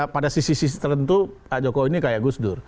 pada sisi sisi tertentu pak jokowi ini kayak gus dur